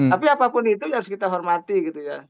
tapi apapun itu ya harus kita hormati gitu ya